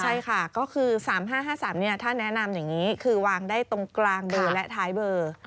ใช่ค่ะก็คือ๓๕๕๓ถ้าแนะนำอย่างนี้คือวางได้ตรงกลางเบอร์และท้ายเบอร์